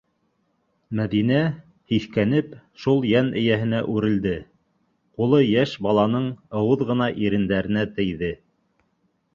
Мәҙинә, һиҫкәнеп, шул йән эйәһенә үрелде: ҡулы йәш баланың ыуыҙ ғына ирендәренә тейҙе.